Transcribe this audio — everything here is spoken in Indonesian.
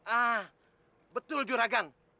ah betul juragan